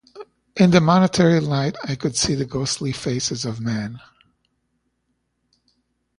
In the momentary light, I could see the ghostly faces of men.